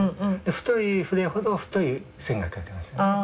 太い筆ほど太い線が書けますね。